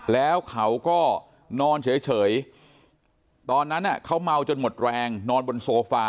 แล้วเขาก็นอนเฉยตอนนั้นเขาเมาจนหมดแรงนอนบนโซฟา